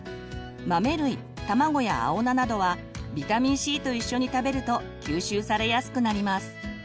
豆類卵や青菜などはビタミンＣと一緒に食べると吸収されやすくなります。